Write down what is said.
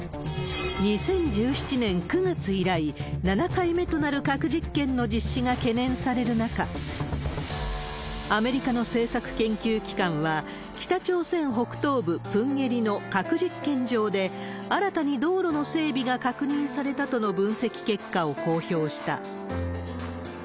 ２０１７年９月以来、７回目となる核実験の実施が懸念される中、アメリカの政策研究機関は、北朝鮮北東部、プンゲリの核実験場で、新たに道路の整備が確認されたとの分析結果を公表した。